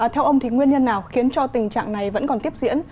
theo ông thì nguyên nhân nào khiến cho tình trạng này vẫn còn tiếp diễn